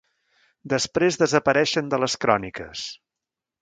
Després desapareixen de les cròniques.